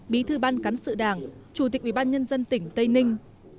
bí thư ban cán sự đảng chủ tịch ủy ban nhân dân tỉnh tây ninh